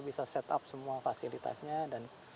bisa set up semua fasilitasnya dan